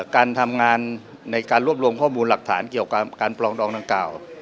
การทำงานในการรวบรวมข้อมูลหลักฐานเกี่ยวกับการปลองดองดังกล่าว